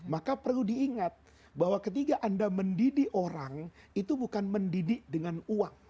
maka perlu diingat bahwa ketika anda mendidik orang itu bukan mendidik dengan uang